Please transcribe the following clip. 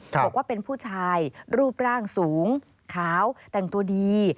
บอกว่าเป็นผู้ชายรูปร่างสูงขาวแต่งตัวดี